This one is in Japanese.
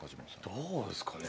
どうですかね？